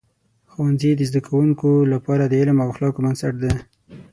ښوونځي د زده کوونکو لپاره د علم او اخلاقو بنسټ دی.